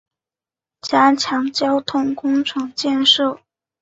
加强交通工程建设